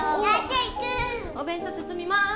お弁当包みます